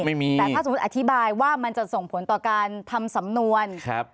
ไม่มีแต่ถ้าสมมุติอธิบายว่ามันจะส่งผลต่อการทำสำนวนครับ